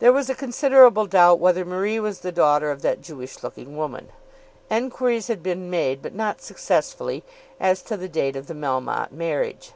There was considerable doubt whether Marie was the daughter of that Jewish looking woman. Enquiries had been made, but not successfully, as to the date of the Melmotte marriage.